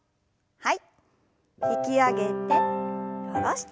はい。